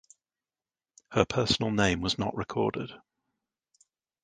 Her personal name was not recorded.